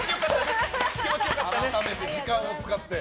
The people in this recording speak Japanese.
改めて時間を使って。